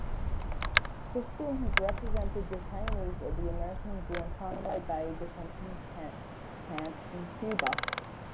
Christian has represented detainees at the American Guantanamo Bay detention camp in Cuba.